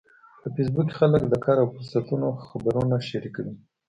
په فېسبوک کې خلک د کار او فرصتونو خبرونه شریکوي